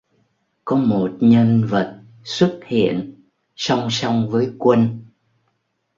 Có một nhân vật xuất hiện song song với Quân